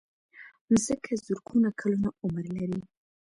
مځکه زرګونه کلونه عمر لري.